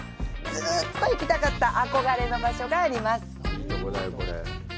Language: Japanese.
ずっと行きたかった憧れの場所があります。